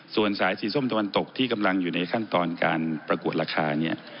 ส่วนสายสีส้มตะวันตกที่กำลังอยู่ในขั้นตอนการประกวดราคาเนี่ย